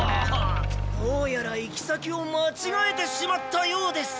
どうやら行き先をまちがえてしまったようです。